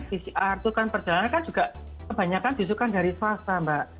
pcr itu kan perjalanan kan juga kebanyakan disukai dari swasta mbak